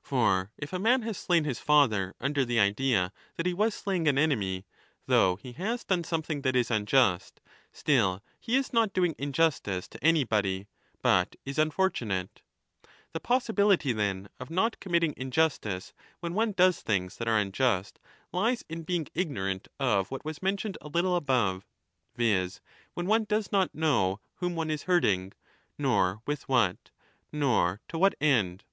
For if a man has slain his father under the idea that he was slaying an enemy, though he has done something that is unjust, still he is not doing injustice to anybody, but is unfortunate. The possibility, then, of not committing injustice when 1195*8 14 = ^.A^. 1135^5 15. 15 22 = i5". V. 1135=* 15 31. * See chs. 12 16. b II95* MAGNA MORALIA one does things that are unjust lies in being ignorant of what was mentioned a little above, viz. when one does not know whom one is hurting, nor with what, nor to what 25 end.